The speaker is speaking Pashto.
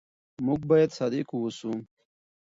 موږ باید صادق واوسو.